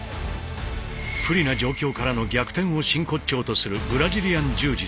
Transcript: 不利な状況からの逆転を真骨頂とするブラジリアン柔術。